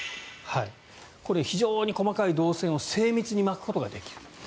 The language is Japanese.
これ、非常に細かい銅線を精密に巻くことができる。